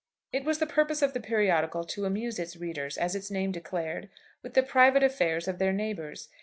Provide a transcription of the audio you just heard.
It was the purpose of the periodical to amuse its readers, as its name declared, with the private affairs of their neighbours.